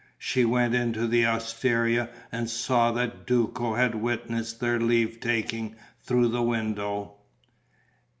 She went into the osteria and saw that Duco had witnessed their leave taking through the window.